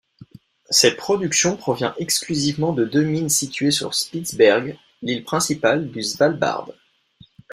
Cette production provient exclusivement de deux mines situées sur Spitzberg, l'île principale du Svalbard.